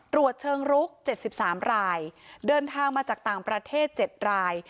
ตรวจเชิงลุก๗๓รายเดินทางมาจากต่างประเทศ๗ราย